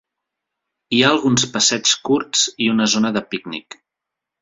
Hi ha alguns passeigs curts i una zona de pícnic.